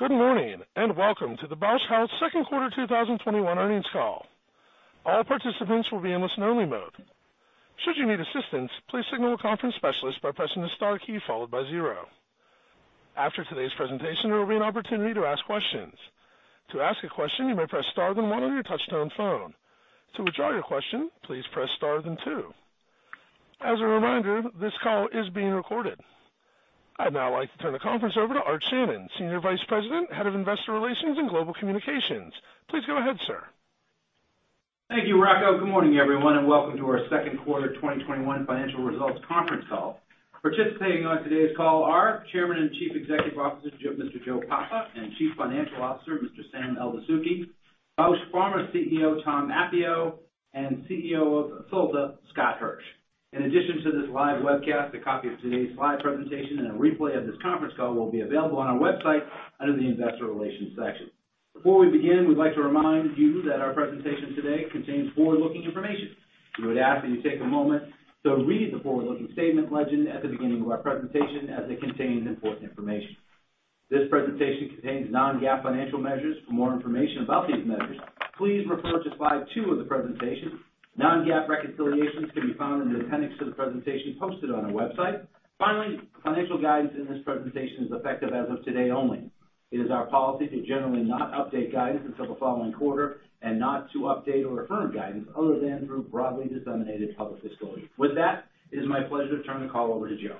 Good morning, and welcome to the Bausch Health Q2 2021 earnings call. I'd now like to turn the conference over to Art Shannon, Senior Vice President, Head of Investor Relations and Global Communications. Please go ahead, sir. Thank you, Rocco. Good morning, everyone, and welcome to our second quarter 2021 financial results conference call. Participating on today's call are Chairman and Chief Executive Officer, Mr. Joe Papa, and Chief Financial Officer, Mr. Sam Eldessouky, Bausch Pharma CEO, Tom Appio, and CEO of Solta, Scott Hirsch. In addition to this live webcast, a copy of today's live presentation and a replay of this conference call will be available on our website under the investor relations section. Before we begin, we'd like to remind you that our presentation today contains forward-looking information. We would ask that you take a moment to read the forward-looking statement legend at the beginning of our presentation, as it contains important information. This presentation contains non-GAAP financial measures. For more information about these measures, please refer to slide two of the presentation. Non-GAAP reconciliations can be found in the appendix to the presentation posted on our website. Finally, financial guidance in this presentation is effective as of today only. It is our policy to generally not update guidance until the following quarter and not to update or affirm guidance other than through broadly disseminated public disclosures. With that, it is my pleasure to turn the call over to Joe.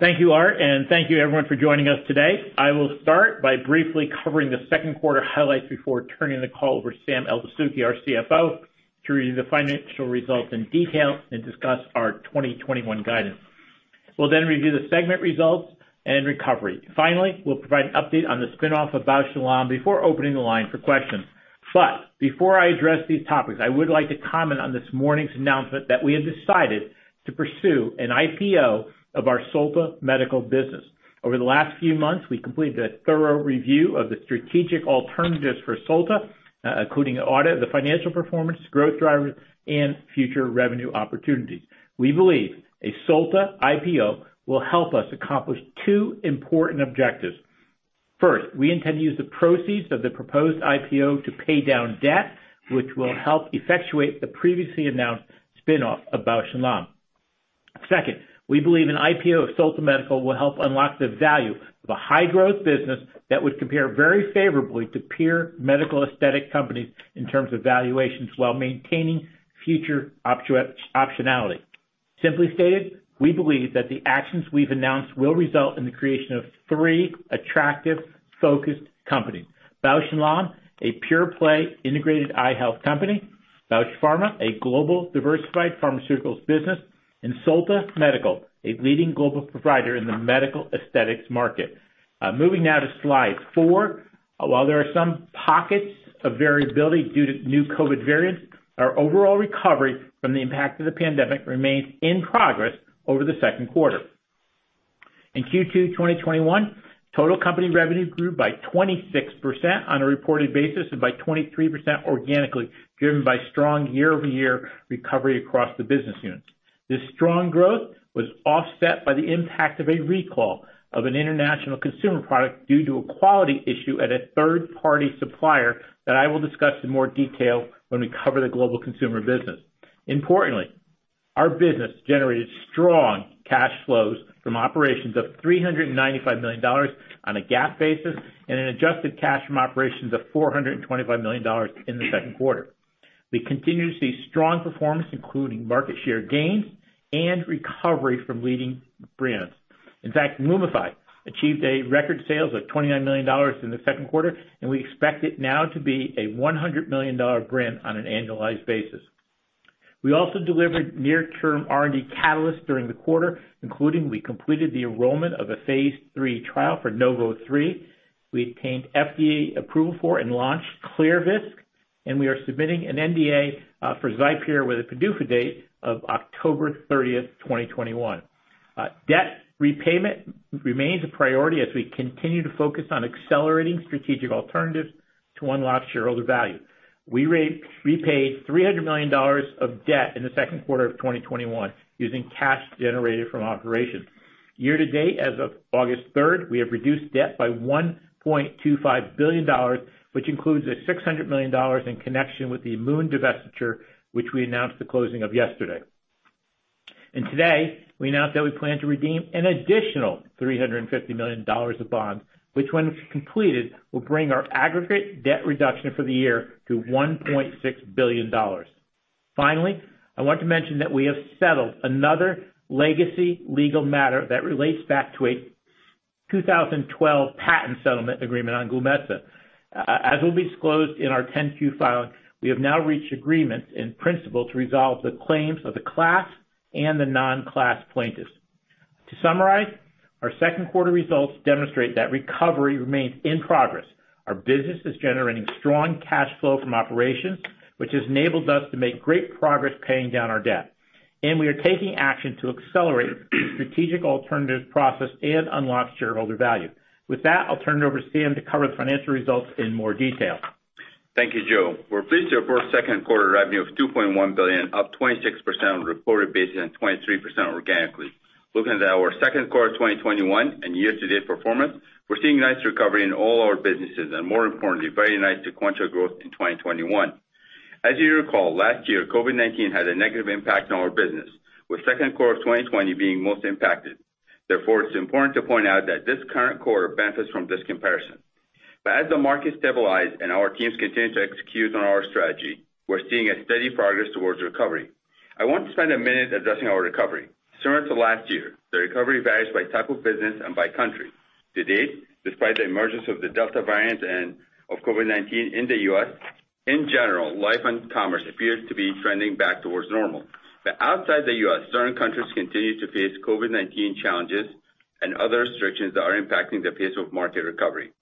Thank you, Art, and thank you, everyone, for joining us today. I will start by briefly covering the second quarter highlights before turning the call over to Sam Eldessouky, our CFO, to read the financial results in detail and discuss our 2021 guidance. We'll review the segment results and recovery. Finally, we'll provide an update on the spin-off of Bausch + Lomb before opening the line for questions. Before I address these topics, I would like to comment on this morning's announcement that we have decided to pursue an IPO of our Solta Medical business. Over the last few months, we completed a thorough review of the strategic alternatives for Solta, including audit of the financial performance, growth drivers, and future revenue opportunities. We believe a Solta IPO will help us accomplish two important objectives. First, we intend to use the proceeds of the proposed IPO to pay down debt, which will help effectuate the previously announced spin-off of Bausch + Lomb. Second, we believe an IPO of Solta Medical will help unlock the value of a high-growth business that would compare very favorably to peer medical aesthetic companies in terms of valuations while maintaining future optionality. Simply stated, we believe that the actions we've announced will result in the creation of three attractive, focused companies. Bausch + Lomb, a pure-play integrated eye health company. Bausch Pharma, a global diversified pharmaceuticals business. Solta Medical, a leading global provider in the medical aesthetics market. Moving now to slide four. While there are some pockets of variability due to new COVID variants, our overall recovery from the impact of the pandemic remains in progress over the second quarter. In Q2 2021, total company revenue grew by 26% on a reported basis and by 23% organically, driven by strong year-over-year recovery across the business units. This strong growth was offset by the impact of a recall of an international consumer product due to a quality issue at a third-party supplier that I will discuss in more detail when we cover the global consumer business. Importantly, our business generated strong cash flows from operations of $395 million on a GAAP basis and an adjusted cash from operations of $425 million in the second quarter. We continue to see strong performance, including market share gains and recovery from leading brands. In fact, LUMIFY achieved a record sales of $29 million in the second quarter, and we expect it now to be a $100 million brand on an annualized basis. We also delivered near-term R&D catalysts during the quarter, including we completed the enrollment of a phase III trial for NOV03. We obtained FDA approval for and launched ClearVisc, and we are submitting an NDA for XIPERE with a PDUFA date of October 30th, 2021. Debt repayment remains a priority as we continue to focus on accelerating strategic alternatives to unlock shareholder value. We repaid $300 million of debt in the second quarter of 2021 using cash generated from operations. Year to date, as of August 3rd, we have reduced debt by $1.25 billion, which includes a $600 million in connection with the Amoun divestiture, which we announced the closing of yesterday. Today, we announced that we plan to redeem an additional $350 million of bonds, which when completed, will bring our aggregate debt reduction for the year to $1.6 billion. I want to mention that we have settled another legacy legal matter that relates back to a 2012 patent settlement agreement on Glumetza. As will be disclosed in our 10-Q filing, we have now reached agreement in principle to resolve the claims of the class and the non-class plaintiffs. To summarize, our second quarter results demonstrate that recovery remains in progress. Our business is generating strong cash flow from operations, which has enabled us to make great progress paying down our debt. We are taking action to accelerate the strategic alternatives process and unlock shareholder value. With that, I'll turn it over to Sam to cover the financial results in more detail. Thank you, Joe. We're pleased to report second quarter revenue of $2.1 billion, up 26% on a reported basis and 23% organically. Looking at our second quarter 2021 and year-to-date performance, we're seeing nice recovery in all our businesses. More importantly, very nice sequential growth in 2021. As you recall, last year, COVID-19 had a negative impact on our business, with second quarter of 2020 being most impacted. Therefore, it's important to point out that this current quarter benefits from this comparison. As the market stabilized and our teams continue to execute on our strategy, we're seeing a steady progress towards recovery. I want to spend a minute addressing our recovery. Similar to last year, the recovery varies by type of business and by country. To date, despite the emergence of the Delta variant and of COVID-19 in the U.S., in general, life and commerce appears to be trending back towards normal. Outside the U.S., certain countries continue to face COVID-19 challenges and other restrictions that are impacting the pace of market recovery.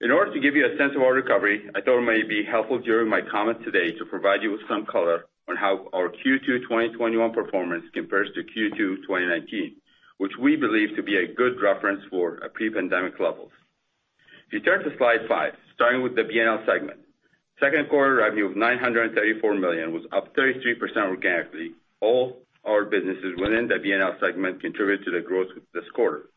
In order to give you a sense of our recovery, I thought it may be helpful during my comments today to provide you with some color on how our Q2 2021 performance compares to Q2 2019, which we believe to be a good reference for pre-pandemic levels. If you turn to slide five, starting with the B+L segment. Second quarter revenue of $934 million was up 33% organically. All our businesses within the B+L segment contributed to the growth this quarter.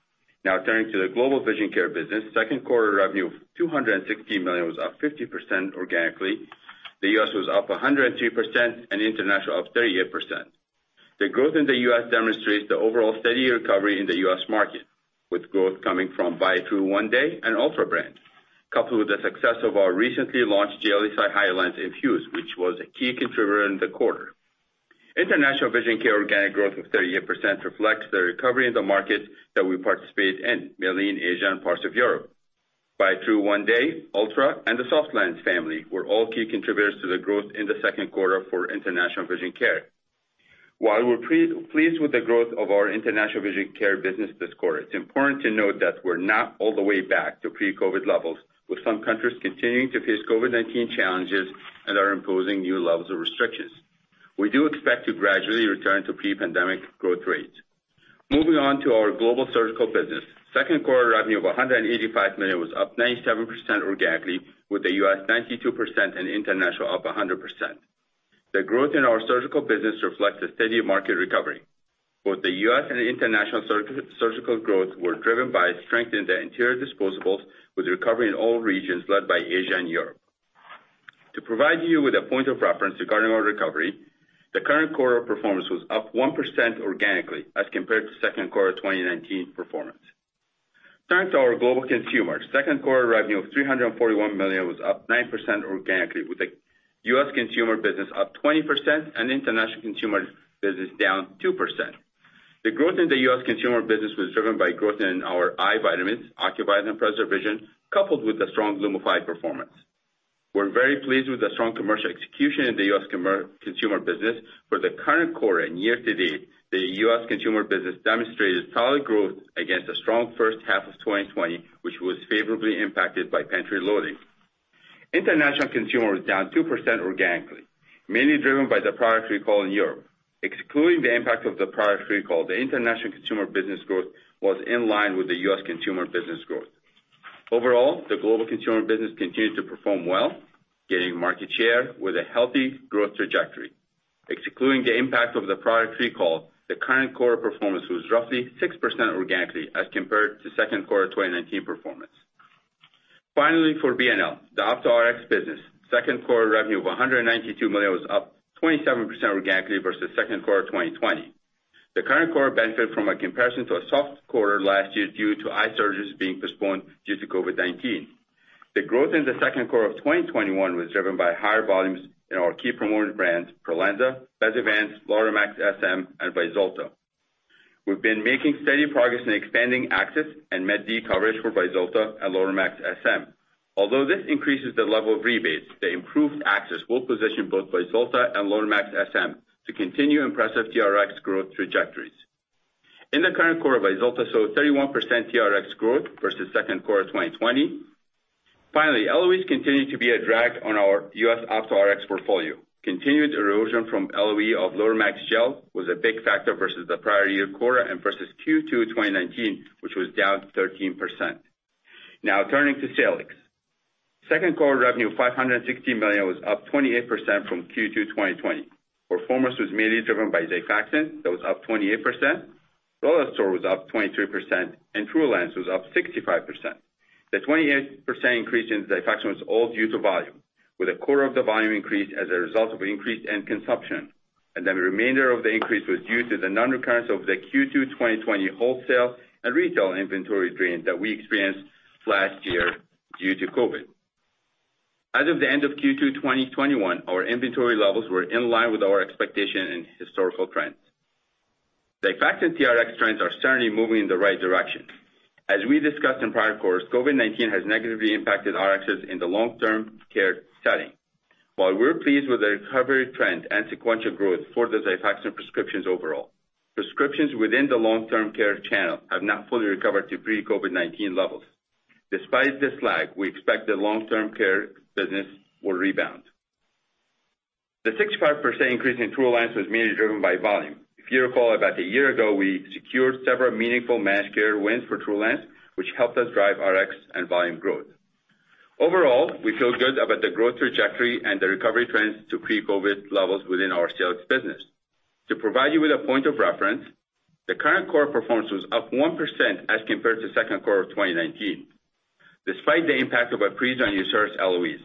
Turning to the global vision care business, second quarter revenue of $216 million was up 50% organically. The U.S. was up 103% and international up 38%. The growth in the U.S. demonstrates the overall steady recovery in the U.S. market, with growth coming from Biotrue ONEday and ULTRA brand, coupled with the success of our recently launched SiHy Daily INFUSE, which was a key contributor in the quarter. International vision care organic growth of 38% reflects the recovery in the markets that we participate in, mainly in Asia and parts of Europe. Biotrue ONEday, ULTRA, and the SofLens family were all key contributors to the growth in the second quarter for international vision care. We're pleased with the growth of our international vision care business this quarter, it's important to note that we're not all the way back to pre-COVID-19 levels, with some countries continuing to face COVID-19 challenges and are imposing new levels of restrictions. We do expect to gradually return to pre-pandemic growth rates. Moving on to our global surgical business. Second quarter revenue of $185 million was up 97% organically, with the U.S. 92% and international up 100%. The growth in our surgical business reflects a steady market recovery. Both the U.S. and international surgical growth were driven by strength in the anterior disposables, with recovery in all regions led by Asia and Europe. To provide you with a point of reference regarding our recovery, the current quarter performance was up 1% organically as compared to second quarter 2019 performance. Turning to our global consumer. Second quarter revenue of $341 million was up 9% organically, with the U.S. consumer business up 20% and international consumer business down 2%. The growth in the U.S. consumer business was driven by growth in our eye vitamins, Ocuvite and PreserVision, coupled with the strong LUMIFY performance. We're very pleased with the strong commercial execution in the U.S. consumer business for the current quarter and year-to-date, the U.S. consumer business demonstrated solid growth against a strong first half of 2020, which was favorably impacted by pantry loading. International consumer was down 2% organically, mainly driven by the product recall in Europe. Excluding the impact of the product recall, the international consumer business growth was in line with the U.S. consumer business growth. Overall, the global consumer business continued to perform well, gaining market share with a healthy growth trajectory. Excluding the impact of the product recall, the current quarter performance was roughly 6% organically as compared to second quarter 2019 performance. Finally, for B+L, the Ophtho Rx business. Second quarter revenue of $192 million was up 27% organically versus second quarter 2020. The current quarter benefit from a comparison to a soft quarter last year due to eye surgeries being postponed due to COVID-19. The growth in the second quarter of 2021 was driven by higher volumes in our key promoted brands, PROLENSA, BESIVANCE, LOTEMAX SM, and VYZULTA. We've been making steady progress in expanding access and Med D coverage for VYZULTA and LOTEMAX SM. Although this increases the level of rebates, the improved access will position both VYZULTA and LOTEMAX SM to continue impressive TRX growth trajectories. In the current quarter, VYZULTA saw 31% TRX growth versus second quarter 2020. Finally, LOEs continue to be a drag on our U.S. Ophtho Rx portfolio. Continued erosion from LOE of LOTEMAX Gel was a big factor versus the prior year quarter and versus Q2 2019, which was down 13%. Now turning to Salix. Second quarter revenue of $560 million was up 28% from Q2 2020. Performance was mainly driven by XIFAXAN, that was up 28%. RELISTOR was up 23%, and TRULANCE was up 65%. The 28% increase in XIFAXAN was all due to volume. With a quarter of the volume increase as a result of increased end consumption, and then the remainder of the increase was due to the non-recurrence of the Q2 2020 wholesale and retail inventory drain that we experienced last year due to COVID. As of the end of Q2 2021, our inventory levels were in line with our expectation and historical trends. The XIFAXAN TRX trends are certainly moving in the right direction. As we discussed in prior quarters, COVID-19 has negatively impacted our access in the long-term care setting. While we're pleased with the recovery trend and sequential growth for the XIFAXAN prescriptions overall, prescriptions within the long-term care channel have not fully recovered to pre-COVID-19 levels. Despite this lag, we expect the long-term care business will rebound. The 65% increase in TRULANCE was mainly driven by volume. If you recall, about a year ago, we secured several meaningful managed care wins for TRULANCE, which helped us drive RX and volume growth. Overall, we feel good about the growth trajectory and the recovery trends to pre-COVID levels within our Salix business. To provide you with a point of reference, the current core performance was up 1% as compared to second quarter of 2019, despite the impact of UCERIS LOEs.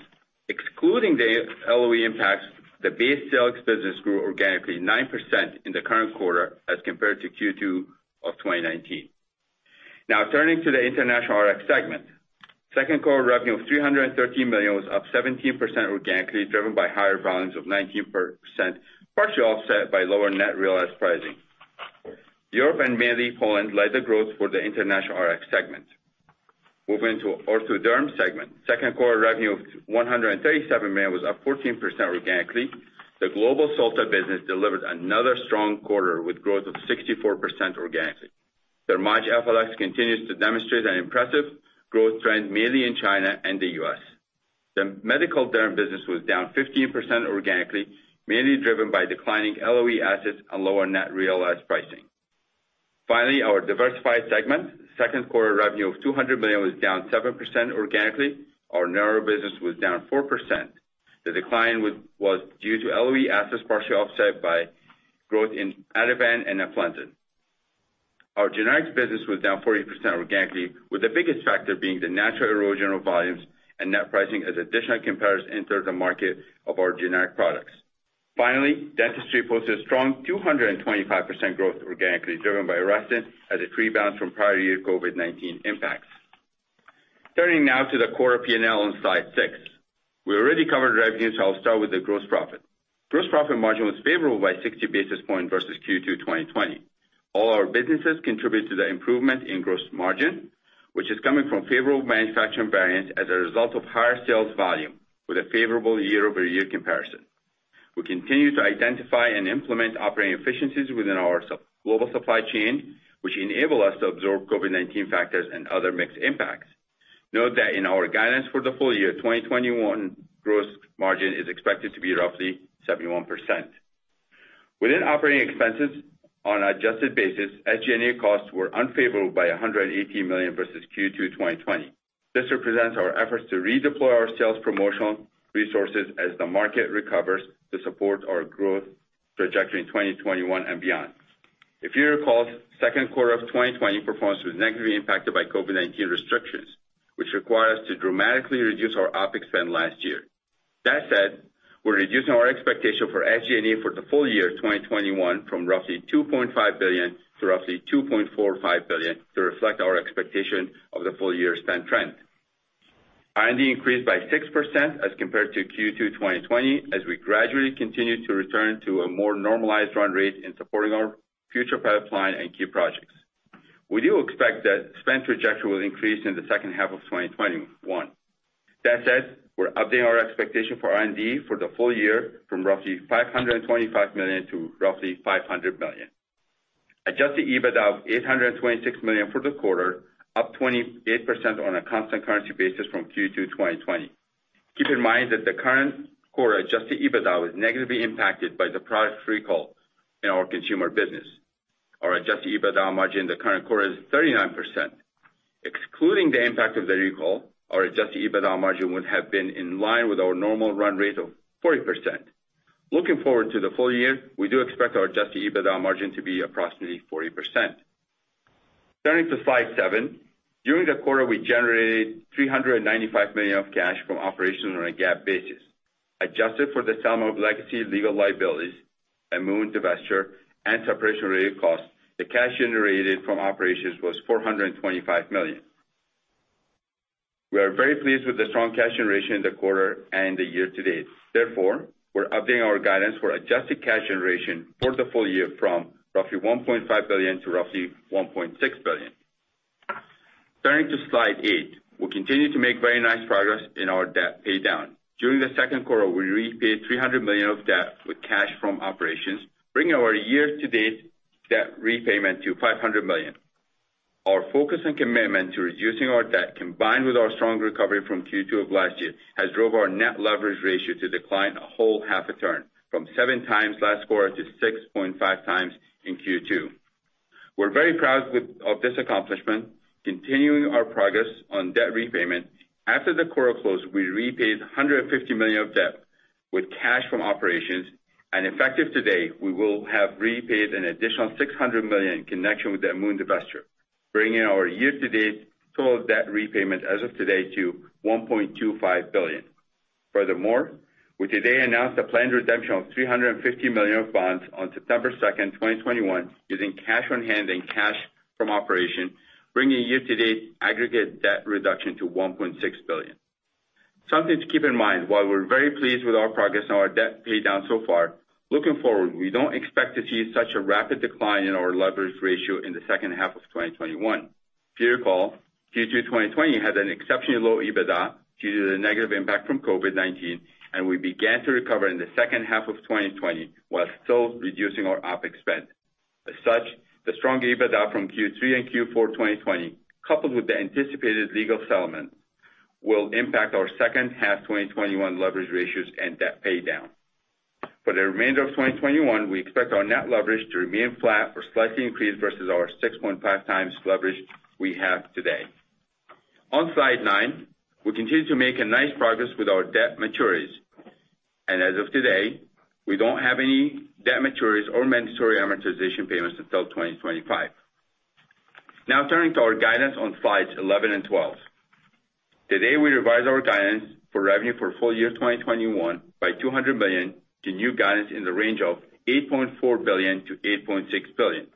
Excluding the LOE impacts, the base Salix business grew organically 9% in the current quarter as compared to Q2 2019. Turning to the International RX segment. Second quarter revenue of $313 million was up 17% organically, driven by higher volumes of 19%, partially offset by lower net realized pricing. Europe and mainly Poland led the growth for the international RX segment. Moving to the Ortho Dermatologics segment. Second quarter revenue of $137 million was up 14% organically. The global Solta business delivered another strong quarter with growth of 64% organically. Thermage FLX continues to demonstrate an impressive growth trend, mainly in China and the U.S. The medical derm business was down 15% organically, mainly driven by declining LOE assets and lower net realized pricing. Finally, our diversified segment. Second quarter revenue of $200 million was down 7% organically. Our neuro business was down 4%. The decline was due to LOE assets partially offset by growth in Ativan and eflornithine. Our generics business was down 40% organically, with the biggest factor being the natural erosion of volumes and net pricing as additional competitors enter the market of our generic products. Finally, dentistry posted strong 225% growth organically, driven by ARESTIN as it rebounds from prior year COVID-19 impacts. Turning now to the quarter P&L on slide six. We already covered revenue, I'll start with the gross profit. Gross profit margin was favorable by 60 basis points versus Q2 2020. All our businesses contribute to the improvement in gross margin, which is coming from favorable manufacturing variants as a result of higher sales volume with a favorable year-over-year comparison. We continue to identify and implement operating efficiencies within our global supply chain, which enable us to absorb COVID-19 factors and other mixed impacts. Note that in our guidance for the full year 2021, gross margin is expected to be roughly 71%. Within operating expenses on adjusted basis, SG&A costs were unfavorable by $118 million versus Q2 2020. This represents our efforts to redeploy our sales promotional resources as the market recovers to support our growth trajectory in 2021 and beyond. If you recall, second quarter of 2020 performance was negatively impacted by COVID-19 restrictions, which require us to dramatically reduce our OpEx spend last year. That said, we're reducing our expectation for SG&A for the full year 2021 from roughly $2.5 billion to roughly $2.45 billion to reflect our expectation of the full year spend trend. R&D increased by 6% as compared to Q2 2020 as we gradually continue to return to a more normalized run rate in supporting our future pipeline and key projects. We do expect that spend trajectory will increase in the second half of 2021. That said, we're updating our expectation for R&D for the full year from roughly $525 million to roughly $500 million. Adjusted EBITDA of $826 million for the quarter, up 28% on a constant currency basis from Q2 2020. Keep in mind that the current quarter adjusted EBITDA was negatively impacted by the product recall in our consumer business. Our adjusted EBITDA margin in the current quarter is 39%. Excluding the impact of the recall, our adjusted EBITDA margin would have been in line with our normal run rate of 40%. Looking forward to the full year, we do expect our adjusted EBITDA margin to be approximately 40%. Turning to slide seven. During the quarter, we generated $395 million of cash from operations on a GAAP basis. Adjusted for the sum of legacy legal liabilities and Amoun divestiture and separation-related costs, the cash generated from operations was $425 million. We are very pleased with the strong cash generation in the quarter and the year to date. We're updating our guidance for adjusted cash generation for the full year from roughly $1.5 billion to roughly $1.6 billion. Turning to slide eight. We continue to make very nice progress in our debt paydown. During the second quarter, we repaid $300 million of debt with cash from operations, bringing our year-to-date debt repayment to $500 million. Our focus and commitment to reducing our debt, combined with our strong recovery from Q2 of last year, has drove our net leverage ratio to decline a whole half a turn from 7 times last quarter to 6.5 times in Q2. We're very proud of this accomplishment continuing our progress on debt repayment. After the quarter closed, we repaid $150 million of debt with cash from operations. Effective today, we will have repaid an additional $600 million in connection with the Amoun divestiture, bringing our year-to-date total debt repayment as of today to $1.25 billion. Furthermore, we today announced a planned redemption of $350 million of bonds on September 2nd, 2021, using cash on hand and cash from operations, bringing year-to-date aggregate debt reduction to $1.6 billion. Something to keep in mind, while we're very pleased with our progress on our debt paydown so far, looking forward, we don't expect to see such a rapid decline in our leverage ratio in the second half of 2021. If you recall, Q2 2020 had an exceptionally low EBITDA due to the negative impact from COVID-19. We began to recover in the second half of 2020 while still reducing our OpEx spend. As such, the strong EBITDA from Q3 and Q4 2020, coupled with the anticipated legal settlement will impact our second half 2021 leverage ratios and debt pay down. For the remainder of 2021, we expect our net leverage to remain flat or slightly increased versus our 6.5 times leverage we have today. On slide nine, we continue to make nice progress with our debt maturities. As of today, we don't have any debt maturities or mandatory amortization payments until 2025. Now turning to our guidance on slides 11 and 12. Today, we revised our guidance for revenue for full year 2021 by $200 million to new guidance in the range of $8.4 billion-$8.6 billion.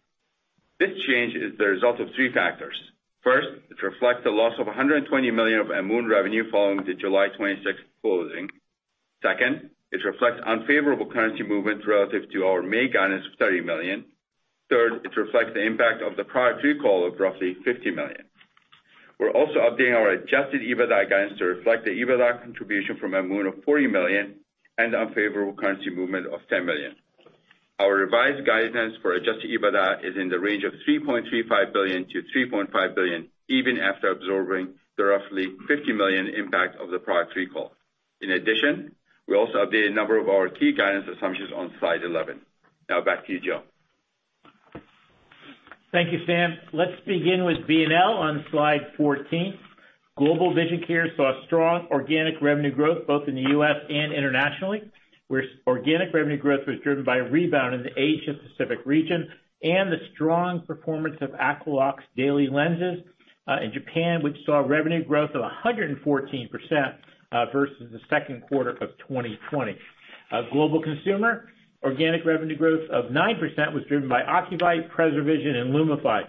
This change is the result of three factors. First, it reflects the loss of $120 million of Amoun revenue following the July 26 closing. Second, it reflects unfavorable currency movements relative to our May guidance of $30 million. Third, it reflects the impact of the product recall of roughly $50 million. We're also updating our adjusted EBITDA guidance to reflect the EBITDA contribution from Amoun of $40 million and the unfavorable currency movement of $10 million. Our revised guidance for adjusted EBITDA is in the range of $3.35 billion-$3.5 billion, even after absorbing the roughly $50 million impact of the product recall. In addtion, we also updated a number of our key guidance assumptions on slide 11. Back to you, Joe. Thank you, Sam. Let's begin with B+L on slide 14. Global Vision Care saw strong organic revenue growth, both in the U.S. and internationally, where organic revenue growth was driven by a rebound in the Asia Pacific region and the strong performance of AQUALOX Daily lenses. In Japan, we saw revenue growth of 114% versus the second quarter of 2020. Global consumer organic revenue growth of 9% was driven by Ocuvite, PreserVision, and LUMIFY.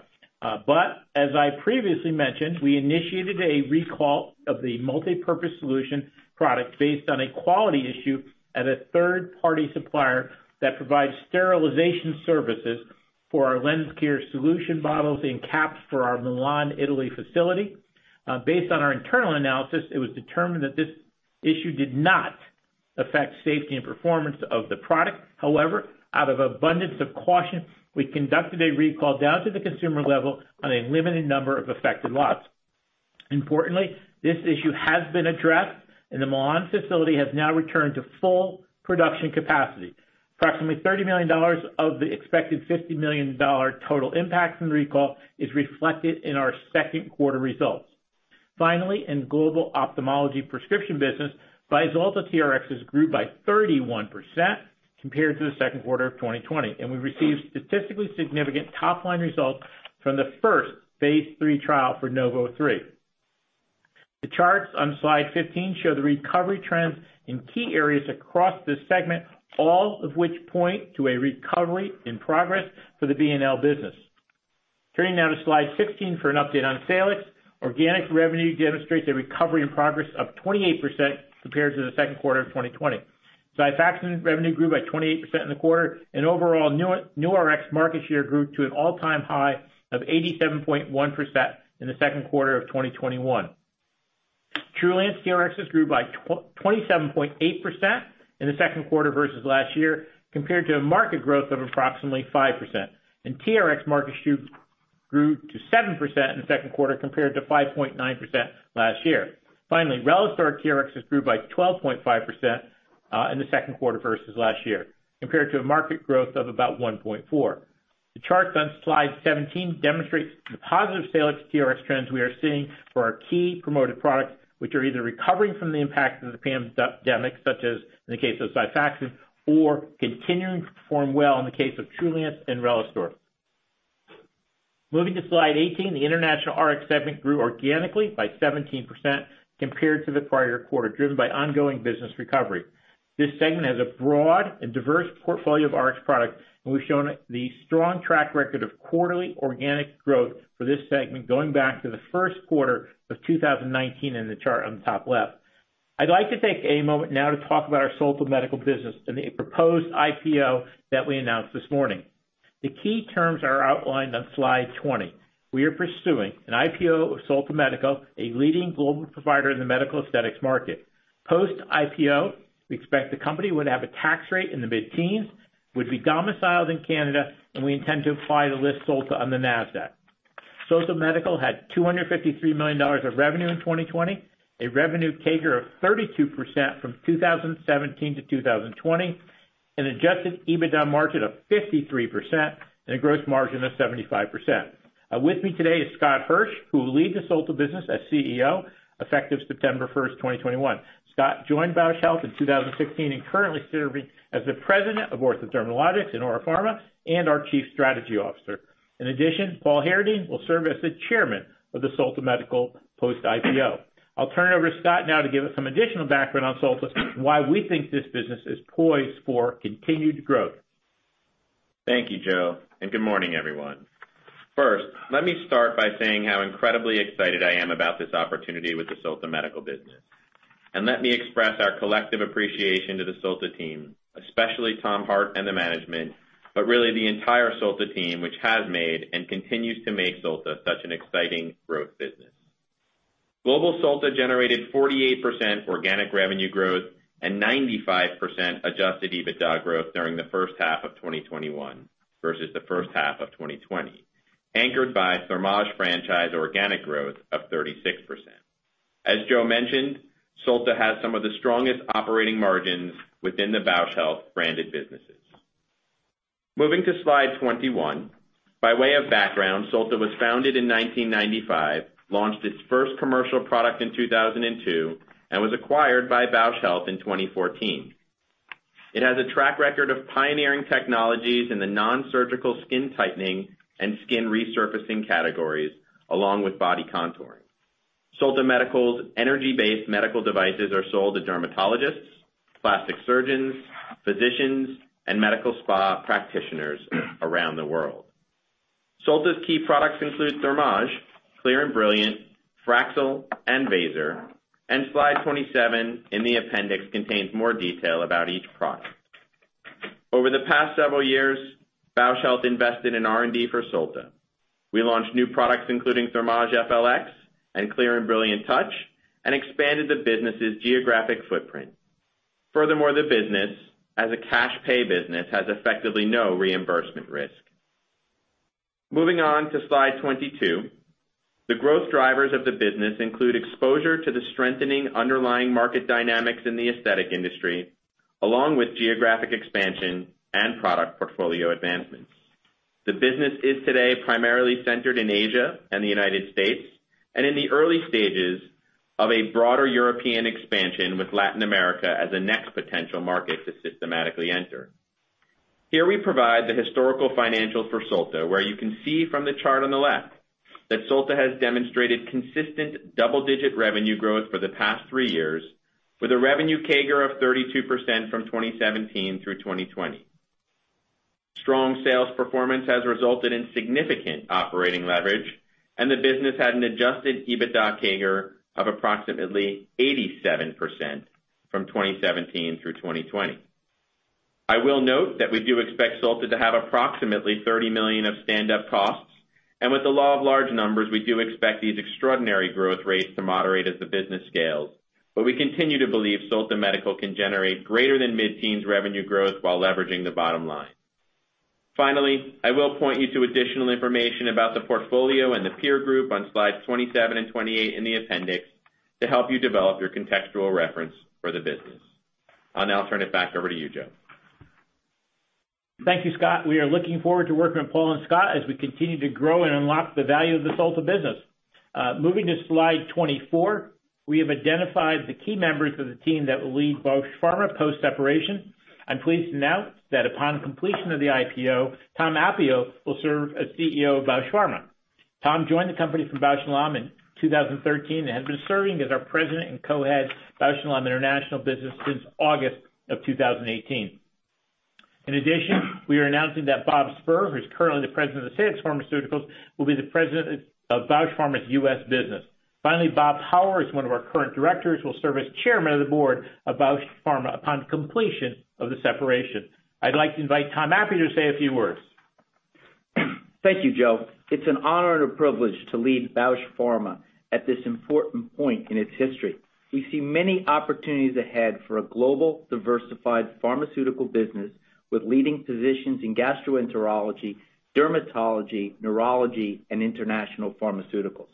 As I previously mentioned, we initiated a recall of the multipurpose solution product based on a quality issue at a third-party supplier that provides sterilization services for our lens care solution bottles and caps for our Milan, Italy, facility. Based on our internal analysis, it was determined that this issue did not affect safety and performance of the product. Out of abundance of caution, we conducted a recall down to the consumer level on a limited number of affected lots. Importantly, this issue has been addressed, and the Milan facility has now returned to full production capacity. Approximately $30 million of the expected $50 million total impact from the recall is reflected in our second quarter results. In global ophthalmology prescription business, VYZULTA TRXs grew by 31% compared to the second quarter of 2020, and we received statistically significant top-line results from the first phase III trial for NOV03. The charts on slide 15 show the recovery trends in key areas across this segment, all of which point to a recovery in progress for the B+L business. Turning now to slide 16 for an update on Salix. Organic revenue demonstrates a recovery in progress of 28% compared to the second quarter of 2020. XIFAXAN revenue grew by 28% in the quarter, and overall new RX market share grew to an all-time high of 87.1% in the second quarter of 2021. TRULANCE TRXs grew by 27.8% in the second quarter versus last year, compared to a market growth of approximately 5%. TRX market share grew to 7% in the second quarter, compared to 5.9% last year. Finally, RELISTOR TRXs grew by 12.5% in the second quarter versus last year, compared to a market growth of about 1.4%. The chart on slide 17 demonstrates the positive Salix TRX trends we are seeing for our key promoted products, which are either recovering from the impact of the pandemic, such as in the case of XIFAXAN, or continuing to perform well in the case of TRULANCE and RELISTOR. Moving to slide 18, the international RX segment grew organically by 17% compared to the prior quarter, driven by ongoing business recovery. This segment has a broad and diverse portfolio of RX products, and we've shown the strong track record of quarterly organic growth for this segment, going back to the first quarter of 2019 in the chart on the top left. I'd like to take a moment now to talk about our Solta Medical business and the proposed IPO that we announced this morning. The key terms are outlined on slide 20. We are pursuing an IPO of Solta Medical, a leading global provider in the medical aesthetics market. Post-IPO, we expect the company would have a tax rate in the mid-teens, would be domiciled in Canada, and we intend to apply to list Solta on the Nasdaq. Solta Medical had $253 million of revenue in 2020, a revenue CAGR of 32% from 2017 to 2020, an adjusted EBITDA margin of 53%, and a gross margin of 75%. With me today is Scott Hirsch, who will lead the Solta business as CEO effective September 1st, 2021. Scott joined Bausch Health in 2016 and currently serving as the President of Ortho Dermatologics and OraPharma and our Chief Strategy Officer. In addition, Paul Herendeen will serve as the Chairman of Solta Medical post-IPO. I'll turn it over to Scott now to give us some additional background on Solta and why we think this business is poised for continued growth. Thank you, Joe, and good morning, everyone. First, let me start by saying how incredibly excited I am about this opportunity with the Solta Medical business. Let me express our collective appreciation to the Solta team, especially Tom Hart and the management, but really the entire Solta team, which has made and continues to make Solta such an exciting growth business. Global Solta generated 48% organic revenue growth and 95% adjusted EBITDA growth during the first half of 2021 versus the first half of 2020. Anchored by Thermage franchise organic growth of 36%. As Joe mentioned, Solta has some of the strongest operating margins within the Bausch Health branded businesses. Moving to slide 21, by way of background, Solta was founded in 1995, launched its first commercial product in 2002, and was acquired by Bausch Health in 2014. It has a track record of pioneering technologies in the nonsurgical skin tightening and skin resurfacing categories, along with body contouring. Solta Medical's energy-based medical devices are sold to dermatologists, plastic surgeons, physicians, and medical spa practitioners around the world. Solta's key products include Thermage, Clear + Brilliant, Fraxel, and VASER, and slide 27 in the appendix contains more detail about each product. Over the past several years, Bausch Health invested in R&D for Solta. We launched new products including Thermage FLX and Clear + Brilliant Touch, and expanded the business' geographic footprint. Furthermore, the business, as a cash pay business, has effectively no reimbursement risk. Moving on to slide 22, the growth drivers of the business include exposure to the strengthening underlying market dynamics in the aesthetic industry, along with geographic expansion and product portfolio advancements. The business is today primarily centered in Asia and the United States, and in the early stages of a broader European expansion with Latin America as a next potential market to systematically enter. Here we provide the historical financials for Solta, where you can see from the chart on the left that Solta has demonstrated consistent double-digit revenue growth for the past three years, with a revenue CAGR of 32% from 2017 through 2020. Strong sales performance has resulted in significant operating leverage, and the business had an adjusted EBITDA CAGR of approximately 87% from 2017 through 2020. I will note that we do expect Solta to have approximately $30 million of standup costs, and with the law of large numbers, we do expect these extraordinary growth rates to moderate as the business scales. We continue to believe Solta Medical can generate greater than mid-teens revenue growth while leveraging the bottom line. Finally, I will point you to additional information about the portfolio and the peer group on slides 27 and 28 in the appendix to help you develop your contextual reference for the business. I'll now turn it back over to you, Joe. Thank you, Scott. We are looking forward to working with Paul and Scott as we continue to grow and unlock the value of the Solta business. Moving to slide 24, we have identified the key members of the team that will lead Bausch Pharma post-separation. I'm pleased to note that upon completion of the IPO, Tom Appio will serve as CEO of Bausch Pharma. Tom joined the company from Bausch + Lomb in 2013 and has been serving as our president and co-head of Bausch + Lomb international business since August of 2018. In addition, we are announcing that Bob Spurr, who's currently the president of the U.S. Pharmaceuticals, will be the president of Bausch Pharma's U.S. business. Finally, Bob Power, who is one of our current directors, will serve as chairman of the board of Bausch Pharma upon completion of the separation. I'd like to invite Tom Appio to say a few words. Thank you, Joe. It's an honor and a privilege to lead Bausch Pharma at this important point in its history. We see many opportunities ahead for a global, diversified pharmaceutical business with leading positions in gastroenterology, dermatology, neurology, and international pharmaceuticals.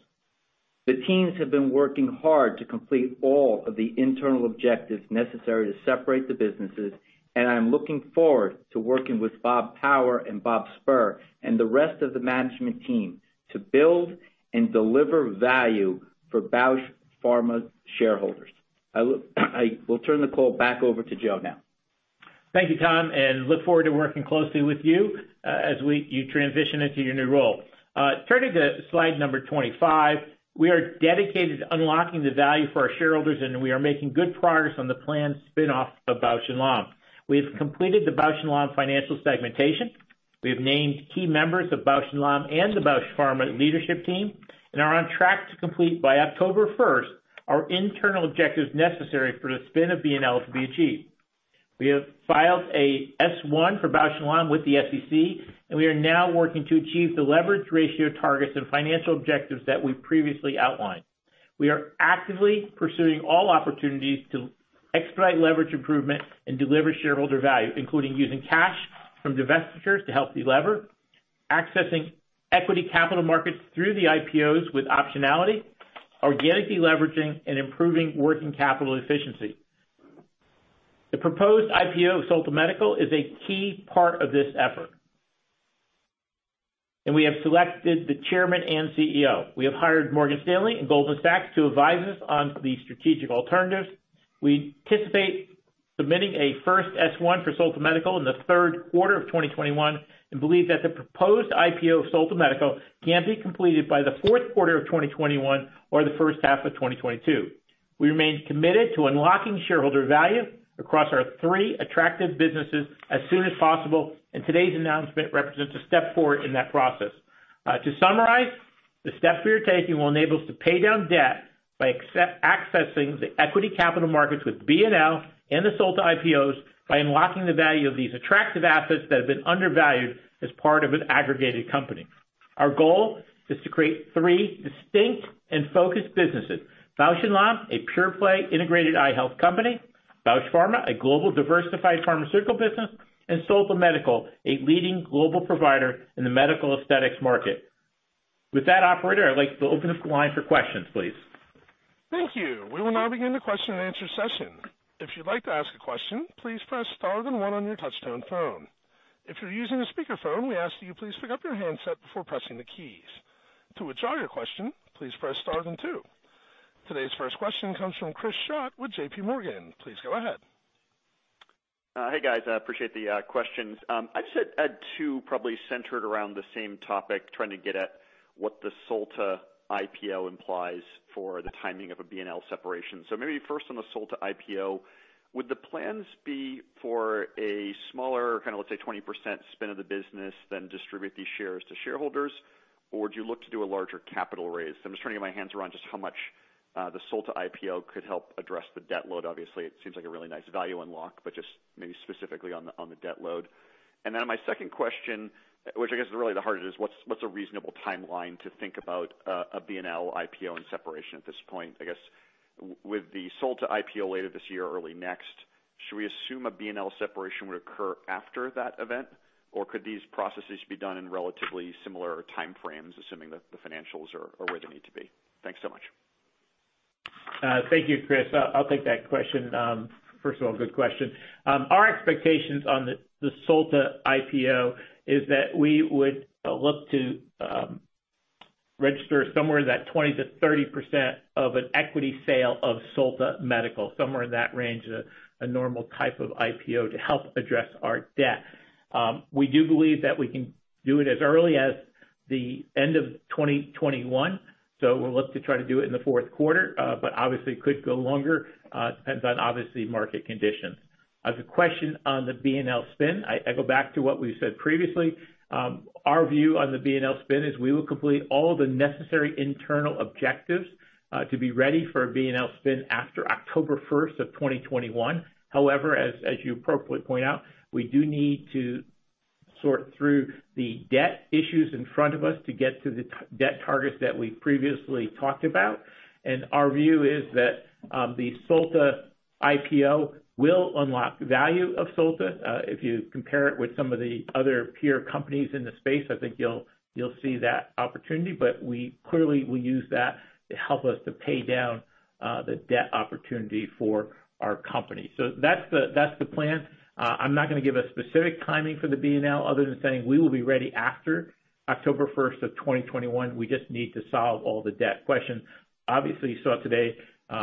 The teams have been working hard to complete all of the internal objectives necessary to separate the businesses, and I'm looking forward to working with Bob Power and Bob Spurr, and the rest of the management team to build and deliver value for Bausch Pharma shareholders. I will turn the call back over to Joe now. Thank you, Tom. Look forward to working closely with you, as you transition into your new role. Turning to slide number 25, we are dedicated to unlocking the value for our shareholders, and we are making good progress on the planned spin-off of Bausch + Lomb. We have completed the Bausch + Lomb financial segmentation. We have named key members of Bausch + Lomb and the Bausch Pharma leadership team and are on track to complete by October 1st our internal objectives necessary for the spin of B+L to be achieved. We have filed a S-1 for Bausch + Lomb with the SEC. We are now working to achieve the leverage ratio targets and financial objectives that we previously outlined. We are actively pursuing all opportunities to expedite leverage improvement and deliver shareholder value, including using cash from divestitures to help delever, accessing equity capital markets through the IPOs with optionality, organically leveraging and improving working capital efficiency. The proposed IPO of Solta Medical is a key part of this effort. We have selected the Chairman and CEO. We have hired Morgan Stanley and Goldman Sachs to advise us on the strategic alternatives. We anticipate submitting a first S-1 for Solta Medical in the third quarter of 2021 and believe that the proposed IPO of Solta Medical can be completed by the fourth quarter of 2021 or the first half of 2022. We remain committed to unlocking shareholder value across our three attractive businesses as soon as possible. Today's announcement represents a step forward in that process. To summarize, the steps we are taking will enable us to pay down debt by accessing the equity capital markets with B+L and the Solta IPOs by unlocking the value of these attractive assets that have been undervalued as part of an aggregated company. Our goal is to create three distinct and focused businesses. Bausch + Lomb, a pure-play integrated eye health company, Bausch Pharma, a global diversified pharmaceutical business, and Solta Medical, a leading global provider in the medical aesthetics market. With that, operator, I'd like to open up the line for questions, please. Thank you. We will now begin the question and answer session. If you'd like to ask a question, please press star then one on your touchtone phone. If you're using a speakerphone, we ask that you please pick up your handset before pressing the keys. To withdraw your question, please press star then two. Today's first question comes from Chris Schott with J.P. Morgan. Please go ahead. Hey, guys. I appreciate the questions. I just had 2 probably centered around the same topic, trying to get at what the Solta IPO implies for the timing of a B+L separation. Maybe first on the Solta IPO, would the plans be for a smaller, let's say, 20% spin of the business, then distribute these shares to shareholders? Do you look to do a larger capital raise? I'm just trying to get my hands around just how much the Solta IPO could help address the debt load. Obviously, it seems like a really nice value unlock, but just maybe specifically on the debt load. Then my second question, which I guess is really the hardest, is what's a reasonable timeline to think about a B+L IPO and separation at this point? I guess with the Solta IPO later this year or early next, should we assume a B+L separation would occur after that event, or could these processes be done in relatively similar timeframes, assuming that the financials are where they need to be? Thanks so much. Thank you, Chris. I'll take that question. First of all, good question. Our expectations on the Solta IPO is that we would look to register somewhere in that 20% to 30% of an equity sale of Solta Medical, somewhere in that range, a normal type of IPO to help address our debt. We do believe that we can do it as early as the end of 2021, so we'll look to try to do it in the fourth quarter. Obviously it could go longer. It depends on, obviously, market conditions. As a question on the B+L spin, I go back to what we've said previously. Our view on the B+L spin is we will complete all the necessary internal objectives, to be ready for a B+L spin after October 1st of 2021. As you appropriately point out, we do need to sort through the debt issues in front of us to get to the debt targets that we previously talked about. Our view is that the Solta IPO will unlock value of Solta. If you compare it with some of the other peer companies in the space, I think you'll see that opportunity. Clearly, we use that to help us to pay down the debt opportunity for our company. That's the plan. I'm not going to give a specific timing for the B+L other than saying we will be ready after October 1st of 2021. We just need to solve all the debt questions. Obviously, you saw today,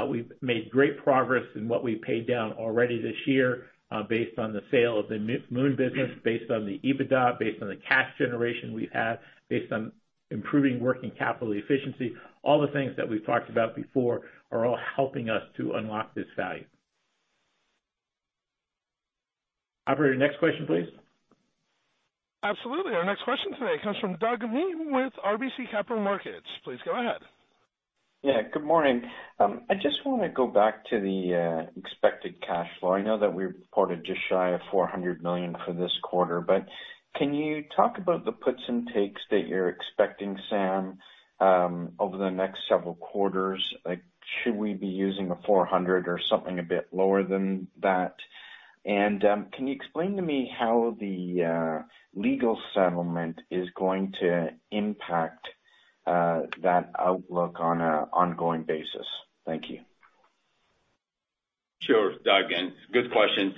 we've made great progress in what we've paid down already this year, based on the sale of the Amoun business, based on the EBITDA, based on the cash generation we've had, based on improving working capital efficiency. All the things that we've talked about before are all helping us to unlock this value. Operator, next question, please. Absolutely. Our next question today comes from Doug Miehm with RBC Capital Markets. Please go ahead. Yeah, good morning. I just want to go back to the expected cash flow. I know that we reported just shy of $400 million for this quarter, but can you talk about the puts and takes that you're expecting, Sam, over the next several quarters? Should we be using $400 million or something a bit lower than that? Can you explain to me how the legal settlement is going to impact that outlook on an ongoing basis? Thank you. Sure, Doug, good question.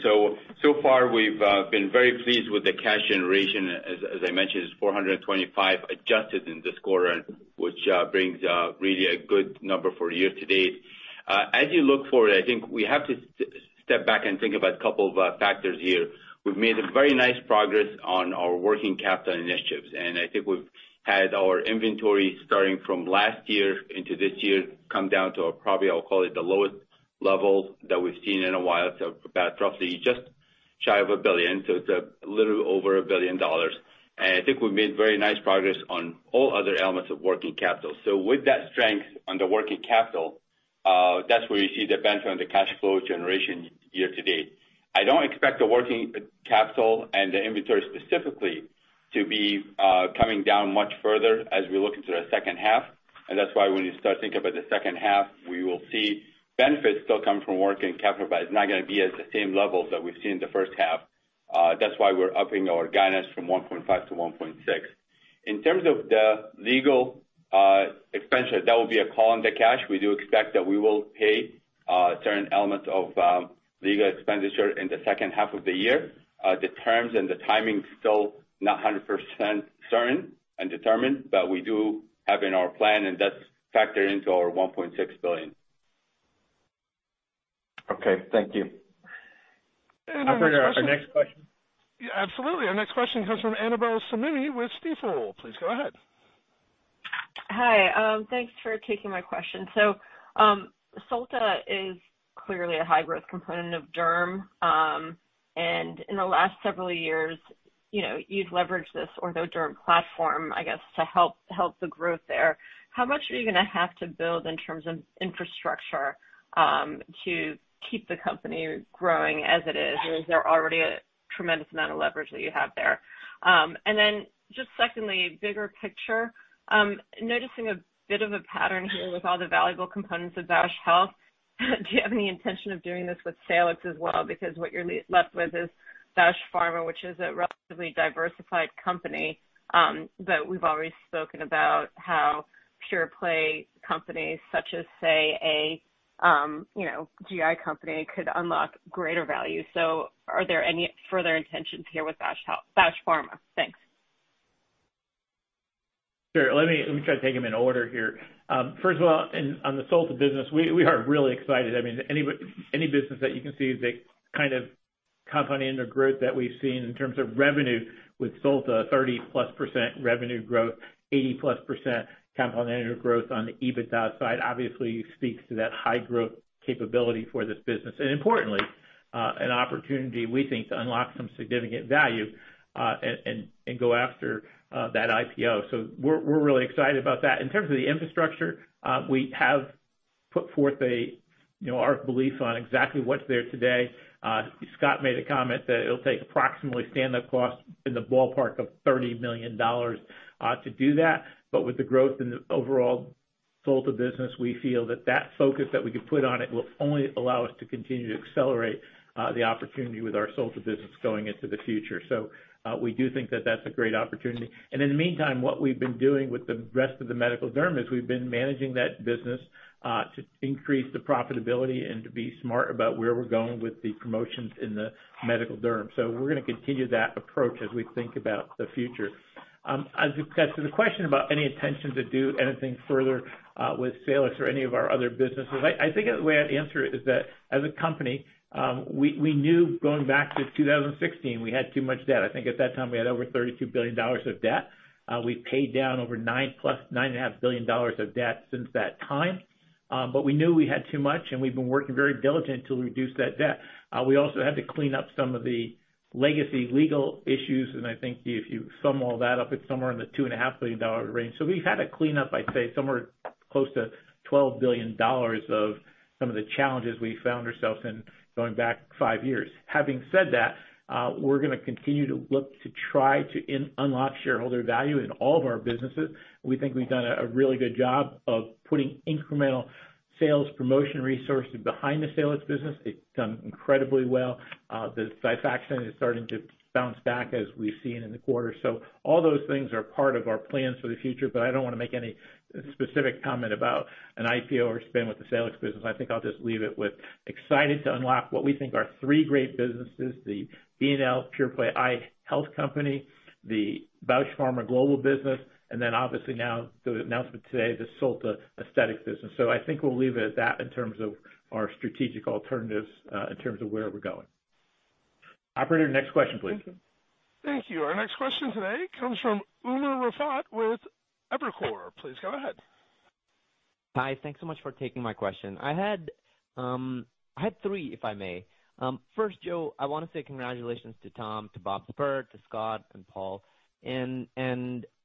Far, we've been very pleased with the cash generation. As I mentioned, it's $425 million adjusted in this quarter, which brings really a good number for year to date. As you look forward, I think we have to step back and think about a couple of factors here. We've made very nice progress on our working capital initiatives, I think we've had our inventory starting from last year into this year come down to probably, I'll call it, the lowest level that we've seen in a while to about roughly just shy of $1 billion. It's a little over $1 billion. I think we've made very nice progress on all other elements of working capital. With that strength on the working capital, that's where you see the benefit on the cash flow generation year to date. I don't expect the working capital and the inventory specifically to be coming down much further as we look into the second half. That's why when you start thinking about the second half, we will see benefits still coming from working capital, but it's not going to be at the same levels that we've seen in the first half. That's why we're upping our guidance from $1.5 billion to $1.6 billion. In terms of the legal expenditure, that will be a call on the cash. We do expect that we will pay a certain element of legal expenditure in the second half of the year. The terms and the timing still not 100% certain and determined. We do have in our plan, and that's factored into our $1.6 billion. Okay, thank you. Operator, our next question. Yeah, absolutely. Our next question comes from Annabel Samimy with Stifel. Please go ahead. Hi. Thanks for taking my question. Solta is clearly a high-growth component of derm. In the last several years, you've leveraged this Ortho Derm platform to help the growth there. How much are you going to have to build in terms of infrastructure to keep the company growing as it is? Is there already a tremendous amount of leverage that you have there? Secondly, bigger picture, noticing a bit of a pattern here with all the valuable components of Bausch Health. Do you have any intention of doing this with Salix as well? What you're left with is Bausch Pharma, which is a relatively diversified company. We've already spoken about how pure-play companies such as, say, a GI company, could unlock greater value. Are there any further intentions here with Bausch Pharma? Thanks. Sure. Let me try to take them in order here. First of all, on the Solta business, we are really excited. Any business that you can see the kind of compounding the growth that we've seen in terms of revenue with Solta, 30%+ revenue growth, 80%+ compounded annual growth on the EBITDA side, obviously speaks to that high growth capability for this business. Importantly, an opportunity we think to unlock some significant value and go after that IPO. We're really excited about that. In terms of the infrastructure, we have put forth our belief on exactly what's there today. Scott made a comment that it'll take approximately stand-up costs in the ballpark of $30 million to do that. With the growth in the overall Solta business, we feel that that focus that we can put on it will only allow us to continue to accelerate the opportunity with our Solta business going into the future. We do think that that's a great opportunity. In the meantime, what we've been doing with the rest of the medical derm is we've been managing that business to increase the profitability and to be smart about where we're going with the promotions in the medical derm. We're going to continue that approach as we think about the future. As it gets to the question about any intention to do anything further with Salix or any of our other businesses, I think the way I'd answer it is that as a company, we knew going back to 2016, we had too much debt. I think at that time, we had over $32 billion of debt. We've paid down over $9.5 billion of debt since that time. We knew we had too much, and we've been working very diligently to reduce that debt. We also had to clean up some of the legacy legal issues, and I think if you sum all that up, it's somewhere in the $2.5 billion dollar range. We've had to clean up, I'd say, somewhere close to $12 billion of some of the challenges we found ourselves in going back five years. Having said that, we're going to continue to look to try to unlock shareholder value in all of our businesses. We think we've done a really good job of putting incremental sales promotion resources behind the Salix business. It's done incredibly well. The XIFAXAN is starting to bounce back, as we've seen in the quarter. All those things are part of our plans for the future, but I don't want to make any specific comment about an IPO or spin with the Salix business. I think I'll just leave it with excited to unlock what we think are three great businesses, the B+L pure-play eye health company, the Bausch Pharma global business, obviously now the announcement today, the Solta aesthetic business. I think we'll leave it at that in terms of our strategic alternatives in terms of where we're going. Operator, next question, please. Thank you. Our next question today comes from Umer Raffat with Evercore. Please go ahead. Hi. Thanks so much for taking my question. I had three, if I may. First, Joe, I want to say congratulations to Tom, to Bob Spurr, to Scott, and Paul.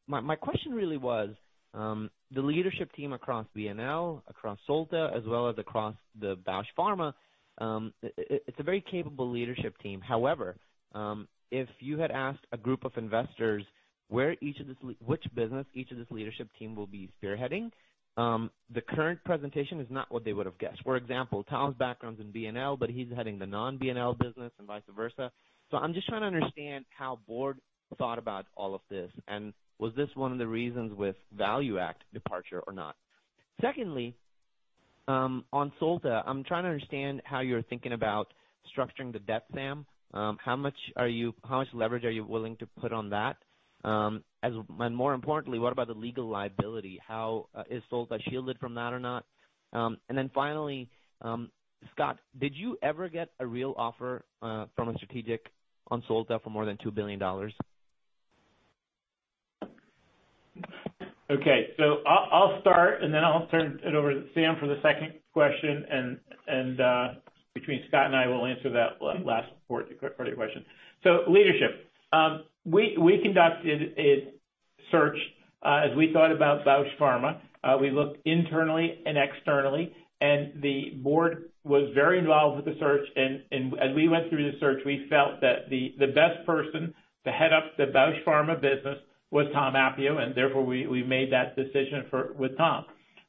My question really was, the leadership team across B+L, across Solta, as well as across the Bausch Pharma, it's a very capable leadership team. However, if you had asked a group of investors which business each of this leadership team will be spearheading, the current presentation is not what they would have guessed. For example, Tom's background is in B+L, but he's heading the non-B+L business and vice versa. I'm just trying to understand how Board thought about all of this, and was this one of the reasons with ValueAct departure or not? Secondly, on Solta, I'm trying to understand how you're thinking about structuring the debt, Sam. How much leverage are you willing to put on that? More importantly, what about the legal liability? Is Solta shielded from that or not? Finally, Scott, did you ever get a real offer from a strategic on Solta for more than $2 billion? Okay, I'll start. Then I'll turn it over to Sam for the second question. Between Scott and I will answer that last part of your question. Leadership. We conducted a search as we thought about Bausch Pharma. We looked internally and externally. The Board was very involved with the search. As we went through the search, we felt that the best person to head up the Bausch Pharma business was Tom Appio. Therefore we made that decision with Tom.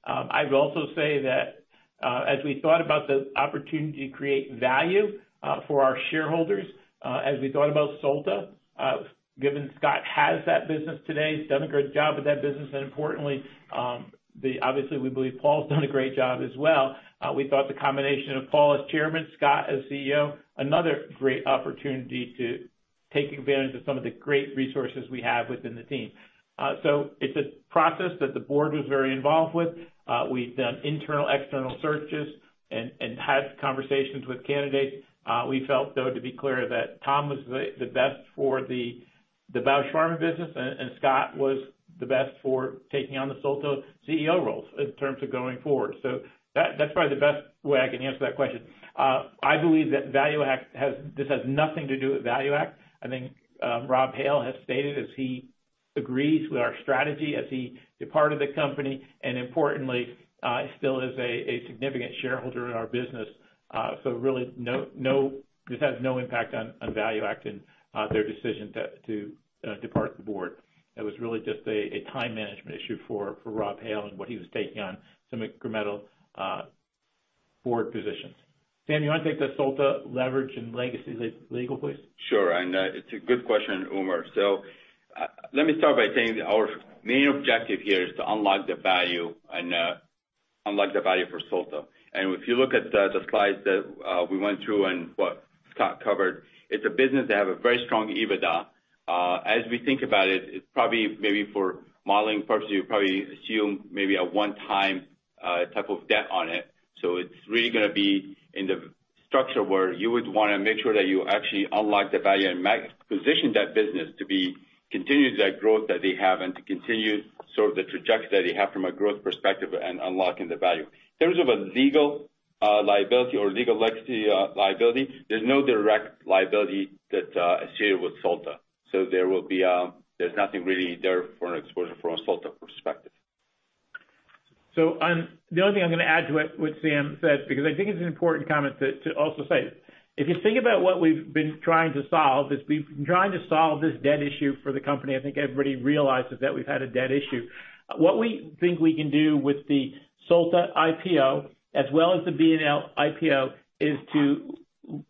I'd also say that as we thought about the opportunity to create value for our shareholders, as we thought about Solta, given Scott has that business today, he's done a great job with that business. Importantly, obviously, we believe Paul's done a great job as well. We thought the combination of Paul as Chairman, Scott as CEO, another great opportunity to take advantage of some of the great resources we have within the team. It's a process that the Board was very involved with. We've done internal, external searches and had conversations with candidates. We felt, though, to be clear that Tom was the best for the Bausch Pharma business and Scott was the best for taking on the Solta CEO role in terms of going forward. That's probably the best way I can answer that question. I believe that this has nothing to do with ValueAct. I think Rob Hale has stated as he agrees with our strategy as he departed the company, and importantly, still is a significant shareholder in our business. Really, this has no impact on ValueAct and their decision to depart the Board. That was really just a time management issue for Rob Hale and what he was taking on some incremental forward positions. Sam, you want to take the Solta leverage and legacy legal, please? Sure. It's a good question, Umer. Let me start by saying that our main objective here is to unlock the value for Solta. If you look at the slides that we went through and what Scott covered, it's a business that have a very strong EBITDA. As we think about it's probably maybe for modeling purposes, you probably assume maybe a one-time type of debt on it. It's really going to be in the structure where you would want to make sure that you actually unlock the value and position that business to be continuous, that growth that they have, and to continue sort of the trajectory that they have from a growth perspective and unlocking the value. In terms of a legal liability or legal legacy liability, there's no direct liability that is shared with Solta. There's nothing really there for an exposure from a Solta perspective. The only thing I'm going to add to what Sam said, because I think it's an important comment to also say, if you think about what we've been trying to solve, is we've been trying to solve this debt issue for the company. I think everybody realizes that we've had a debt issue. What we think we can do with the Solta IPO as well as the B+L IPO, is to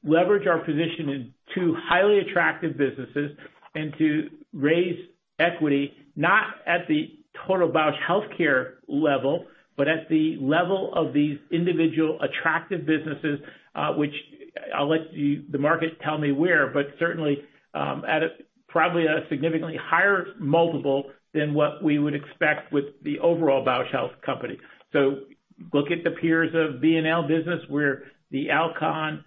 leverage our position in two highly attractive businesses and to raise equity, not at the total Bausch Health care level, but at the level of these individual attractive businesses, which I'll let the market tell me where, but certainly, at probably a significantly higher multiple than what we would expect with the overall Bausch Health company. Look at the peers of B+L business, where the Alcon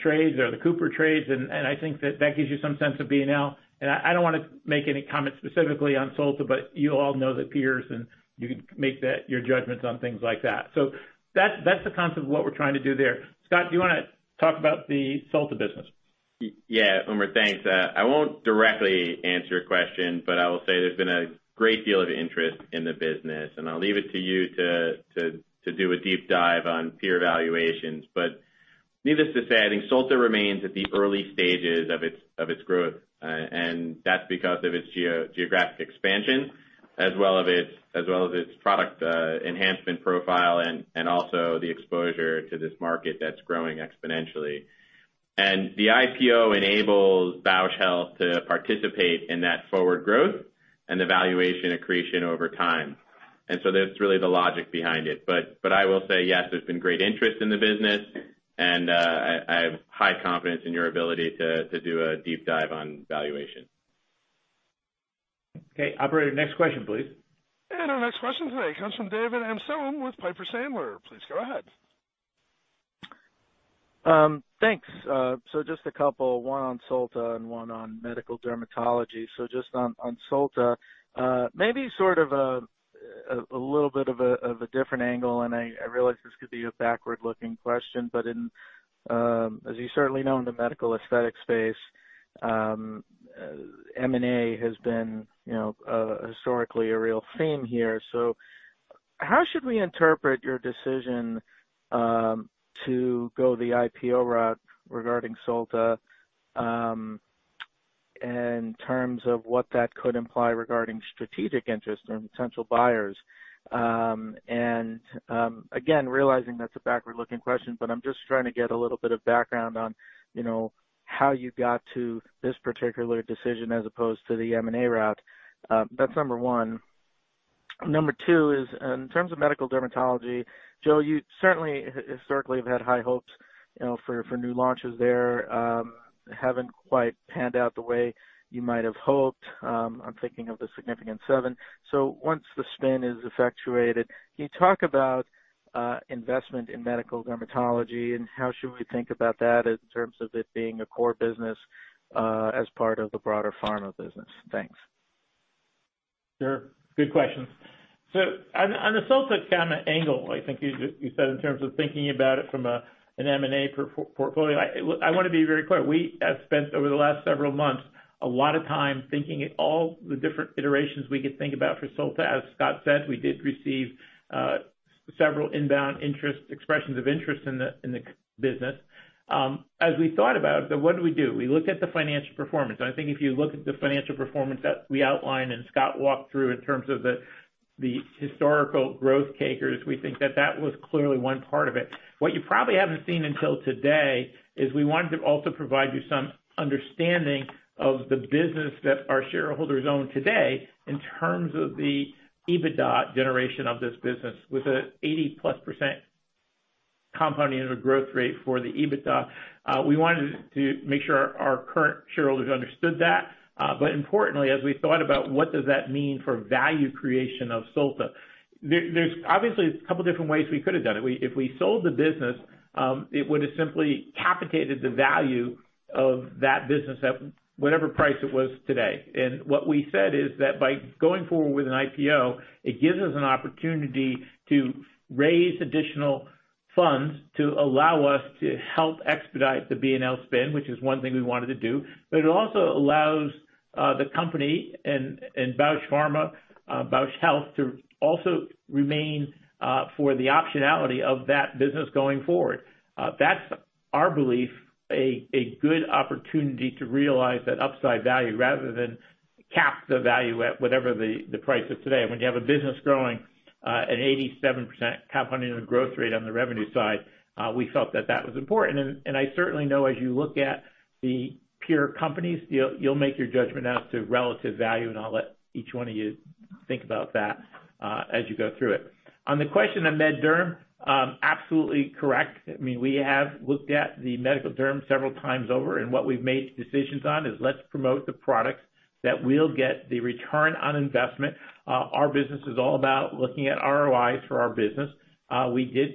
trades or the CooperCompanies trades, and I think that that gives you some sense of B+L. I don't want to make any comments specifically on Solta, but you all know the peers, and you can make that your judgments on things like that. That's the concept of what we're trying to do there. Scott, do you want to talk about the Solta business? Yeah. Umer, thanks. I won't directly answer your question. I will say there's been a great deal of interest in the business. I'll leave it to you to do a deep dive on peer evaluations. Needless to say, I think Solta remains at the early stages of its growth. That's because of its geographic expansion as well as its product enhancement profile. Also the exposure to this market that's growing exponentially. The IPO enables Bausch Health to participate in that forward growth and the valuation accretion over time. That's really the logic behind it. I will say, yes, there's been great interest in the business. I have high confidence in your ability to do a deep dive on valuation. Okay, operator, next question, please. Our next question today comes from David Amsellem with Piper Sandler. Please go ahead. Thanks. Just a couple, one on Solta and one on medical dermatology. Just on Solta, maybe sort of a little bit of a different angle, and I realize this could be a backward-looking question, but as you certainly know, in the medical aesthetic space, M&A has been historically a real theme here. How should we interpret your decision to go the IPO route regarding Solta, in terms of what that could imply regarding strategic interest and potential buyers? Again, realizing that's a backward-looking question, I'm just trying to get a little bit of background on how you got to this particular decision as opposed to the M&A route. That's number one. Number two is in terms of medical dermatology, Joe, you certainly historically have had high hopes for new launches there. Haven't quite panned out the way you might have hoped. I'm thinking of the Significant Seven. Once the spin is effectuated, can you talk about investment in medical dermatology and how should we think about that in terms of it being a core business as part of the broader pharma business? Thanks. Sure. Good questions. On the Solta kind of angle, I think you said in terms of thinking about it from an M&A portfolio, I want to be very clear. We have spent over the last several months, a lot of time thinking all the different iterations we could think about for Solta. As Scott said, we did receive several inbound expressions of interest in the business. As we thought about it, what do we do? We looked at the financial performance, and I think if you look at the financial performance that we outlined and Scott walked through in terms of the historical growth CAGRs, we think that that was clearly one part of it. What you probably haven't seen until today is we wanted to also provide you some understanding of the business that our shareholders own today in terms of the EBITDA generation of this business with an 80%+ compounding of the growth rate for the EBITDA. We wanted to make sure our current shareholders understood that. Importantly, as we thought about what does that mean for value creation of Solta, there's obviously a couple different ways we could have done it. If we sold the business, it would have simply capitated the value of that business at whatever price it was today. What we said is that by going forward with an IPO, it gives us an opportunity to raise additional funds to allow us to help expedite the B+L spin, which is one thing we wanted to do, but it also allows the company and Bausch Health to also remain for the optionality of that business going forward. That's our belief, a good opportunity to realize that upside value rather than cap the value at whatever the price is today. When you have a business growing at 87% compounded annual growth rate on the revenue side, we felt that that was important. I certainly know as you look at the peer companies, you'll make your judgment as to relative value, and I'll let each one of you think about that as you go through it. On the question of med derm, absolutely correct. We have looked at the medical derm several times over, and what we've made decisions on is let's promote the products that will get the return on investment. Our business is all about looking at ROIs for our business. We did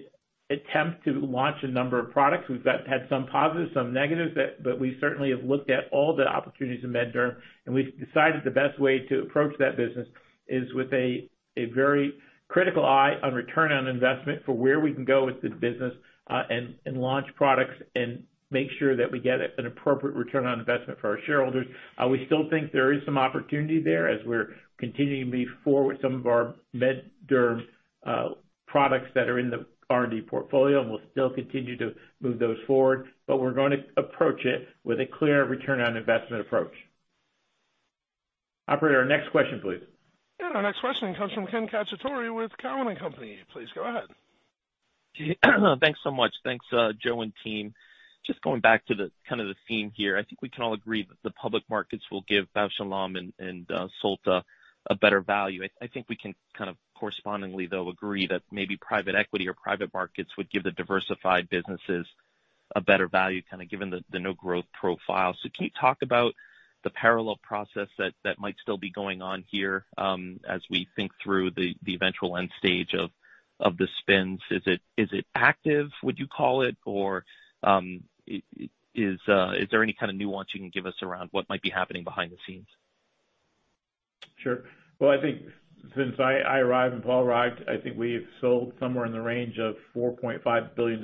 attempt to launch a number of products. We've had some positives, some negatives. We certainly have looked at all the opportunities in med derm, and we've decided the best way to approach that business is with a very critical eye on return on investment for where we can go with the business, and launch products and make sure that we get an appropriate return on investment for our shareholders. We still think there is some opportunity there as we're continuing to move forward some of our med derm products that are in the R&D portfolio, and we'll still continue to move those forward. We're going to approach it with a clear return on investment approach. Operator, next question, please. Yeah, our next question comes from Ken Cacciatore with Cowen and Company. Please go ahead. Thanks so much. Thanks, Joe and team. Going back to the theme here. I think we can all agree that the public markets will give Bausch + Lomb and Solta a better value. I think we can correspondingly, though, agree that maybe private equity or private markets would give the diversified businesses a better value, given the no-growth profile. Can you talk about the parallel process that might still be going on here as we think through the eventual end stage of the spins? Is it active, would you call it, or is there any kind of nuance you can give us around what might be happening behind the scenes? Sure. Well, I think since I arrived and Paul arrived, I think we've sold somewhere in the range of $4.5 billion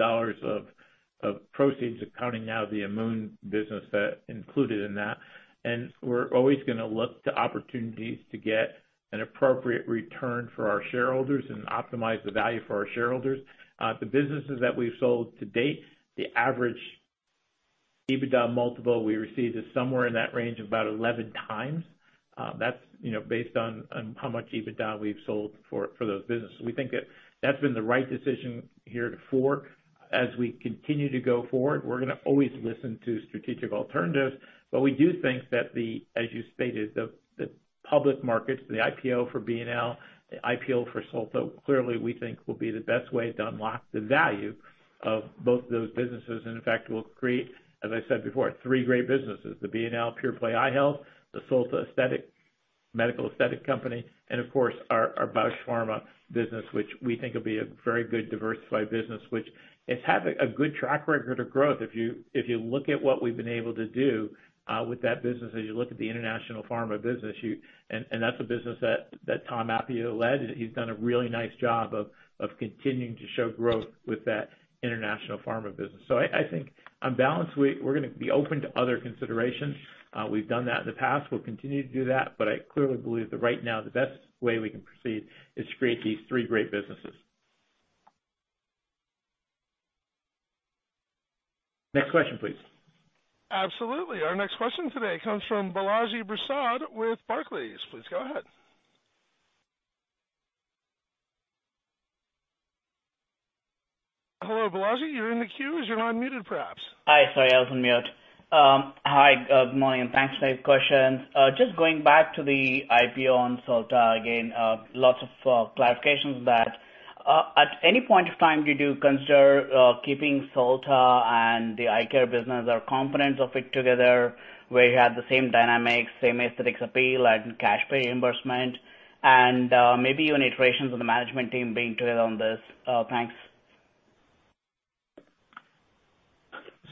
of proceeds, accounting now the Amoun business that included in that. We're always going to look to opportunities to get an appropriate return for our shareholders and optimize the value for our shareholders. The businesses that we've sold to date, the average EBITDA multiple we received is somewhere in that range of about 11x. That's based on how much EBITDA we've sold for those businesses. We think that's been the right decision heretofore. As we continue to go forward, we're going to always listen to strategic alternatives. We do think that the, as you stated, the public markets, the IPO for B+L, the IPO for Solta, clearly we think will be the best way to unlock the value of both of those businesses, and in fact, will create, as I said before, three great businesses, the B+L pure play eye health, the Solta medical aesthetic company, and of course, our Bausch Pharma business, which we think will be a very good diversified business, which it's having a good track record of growth. If you look at what we've been able to do with that business, as you look at the international pharma business. That's a business that Tom Appio led. He's done a really nice job of continuing to show growth with that international pharma business. I think on balance, we're going to be open to other considerations. We've done that in the past. We'll continue to do that. I clearly believe that right now, the best way we can proceed is to create these three great businesses. Next question, please. Absolutely. Our next question today comes from Balaji Prasad with Barclays. Please go ahead. Hello, Balaji, you're in the queue as you're unmuted, perhaps. Hi. Sorry, I was on mute. Hi, good morning, and thanks for the questions. Just going back to the IPO on Solta again. Lots of clarifications that at any point of time, did you consider keeping Solta and the eye care business or components of it together, where you have the same dynamics, same aesthetics appeal and cash reimbursement, and maybe even iterations of the management team being together on this? Thanks.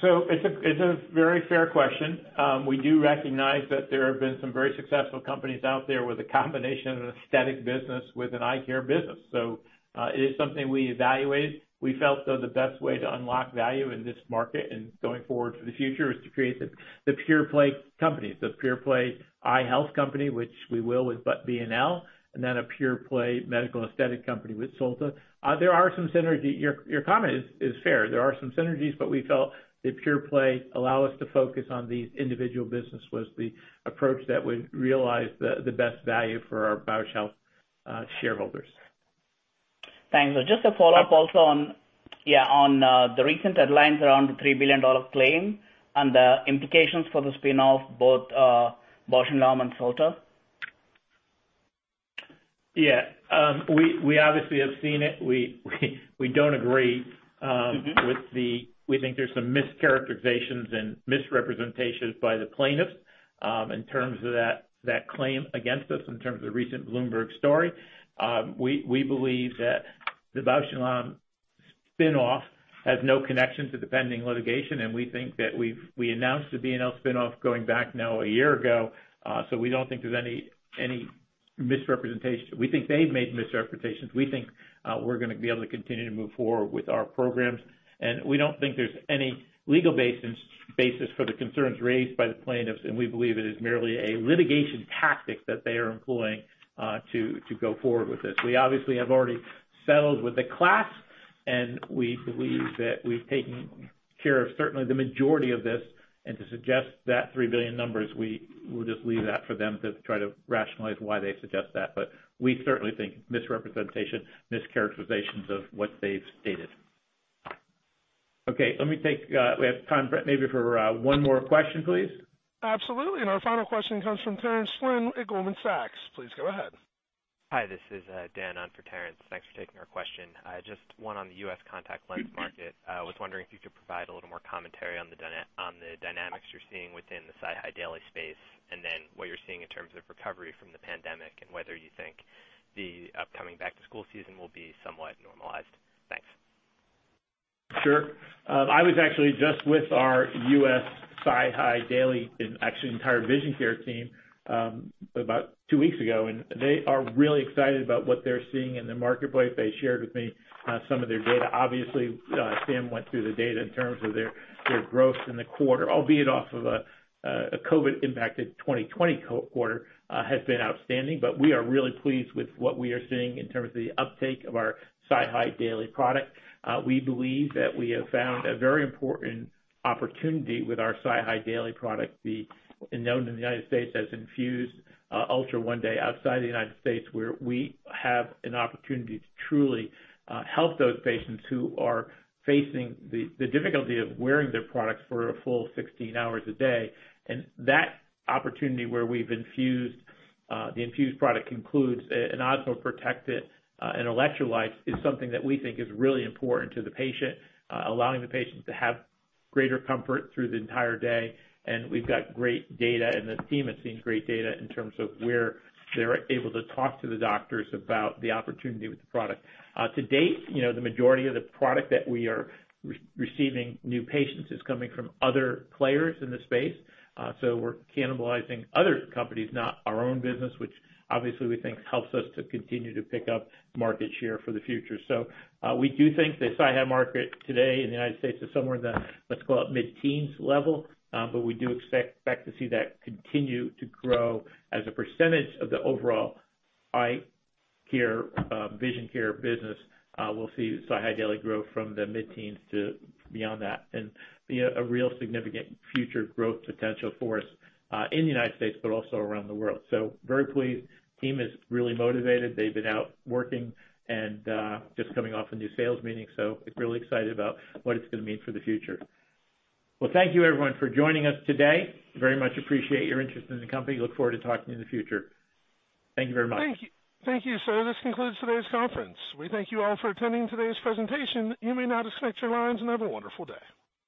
It's a very fair question. We do recognize that there have been some very successful companies out there with a combination of an aesthetic business with an eye care business. It is something we evaluate. We felt though the best way to unlock value in this market and going forward for the future is to create the pure play companies, the pure play eye health company, which we will with B+L, and then a pure play medical aesthetic company with Solta. There are some synergies. Your comment is fair. There are some synergies. We felt the pure play allow us to focus on these individual business was the approach that would realize the best value for our Bausch Health shareholders. Thanks. Just a follow-up also on. Yep. On the recent headlines around the $3 billion claim and the implications for the spin-off, both Bausch + Lomb and Solta. Yeah. We think there's some mischaracterizations and misrepresentations by the plaintiffs, in terms of that claim against us in terms of the recent Bloomberg story. We believe that the Bausch + Lomb spin-off has no connection to the pending litigation, and we think that we announced the B+L spin-off going back now a year ago. We don't think there's any misrepresentation. We think they've made misrepresentations. We think we're going to be able to continue to move forward with our programs, and we don't think there's any legal basis for the concerns raised by the plaintiffs, and we believe it is merely a litigation tactic that they are employing to go forward with this. We obviously have already settled with the class. We believe that we've taken care of certainly the majority of this, and to suggest that $3 billion numbers, we'll just leave that for them to try to rationalize why they suggest that. We certainly think it's misrepresentation, mischaracterizations of what they've stated. Okay, we have time, maybe for one more question, please. Absolutely. Our final question comes from Terence Flynn at Goldman Sachs. Please go ahead. Hi, this is Dan on for Terence. Thanks for taking our question. Just one on the U.S. contact lens market. I was wondering if you could provide a little more commentary on the dynamics you're seeing within the SiHy Daily space. What you're seeing in terms of recovery from the pandemic, and whether you think the upcoming back-to-school season will be somewhat normalized. Thanks. Sure. I was actually just with our U.S. SiHy Daily and actually the entire vision care team about two weeks ago. They are really excited about what they're seeing in the marketplace. They shared with me some of their data. Obviously, Sam went through the data in terms of their growth in the quarter, albeit off of a COVID-impacted 2020 quarter, has been outstanding. We are really pleased with what we are seeing in terms of the uptake of our SiHy Daily product. We believe that we have found a very important opportunity with our SiHy Daily product, known in the U.S. as INFUSE ULTRA One-Day, outside the U.S., where we have an opportunity to truly help those patients who are facing the difficulty of wearing their products for a full 16 hours a day. That opportunity where we've infused, the INFUSE product includes an osmoprotectant and electrolytes is something that we think is really important to the patient, allowing the patient to have greater comfort through the entire day. We've got great data, and the team is seeing great data in terms of where they're able to talk to the doctors about the opportunity with the product. To date, the majority of the product that we are receiving new patients is coming from other players in the space. We're cannibalizing other companies, not our own business, which obviously we think helps us to continue to pick up market share for the future. We do think the SiHy market today in the U.S. is somewhere in the, let's call it mid-teens level. We do expect to see that continue to grow as a percentage of the overall eye care, vision care business. We'll see SiHy Daily grow from the mid-teens to beyond that and be a real significant future growth potential for us, in the U.S., but also around the world. Very pleased. Team is really motivated. They've been out working and just coming off a new sales meeting, really excited about what it's going to mean for the future. Thank you everyone for joining us today. Very much appreciate your interest in the company. Look forward to talking to you in the future. Thank you very much. Thank you, sir. And this concludes today's conference. We thank you all for attending today's presentation. You may now disconnect your lines and have a wonderful day.